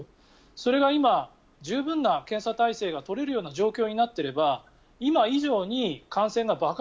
それが今、十分な検査体制が取れるような状況になっていれば今以上に感染が爆発